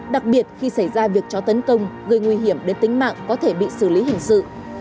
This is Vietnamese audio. đặc biệt khi xảy ra việc cho tấn công gây nguy hiểm đến tính mạng có thể bị xử lý hình sự